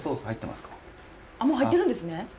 あっもう入ってるんですね。